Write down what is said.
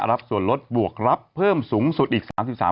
รับส่วนลดบวกรับเพิ่มสูงสุดอีก๓๓